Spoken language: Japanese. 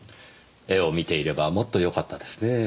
絵を見ていればもっとよかったですねえ。